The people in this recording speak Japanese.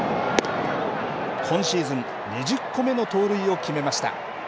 今シーズン、２０個目の盗塁を決めました。